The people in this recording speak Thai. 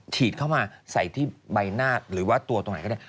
ฉีดเข้ามาใส่ที่ใบหน้าหรือว่าตัวตรงไหนก็ได้